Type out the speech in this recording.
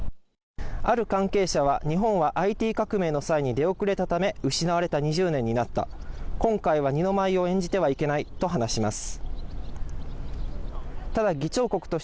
ある関係者は日本はＩＴ革命の際に出遅れたため、失われた２０年になった、今回は二の舞を演じてはいけないと話します。